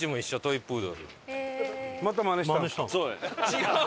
違う！